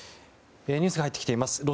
ニュースが入っています。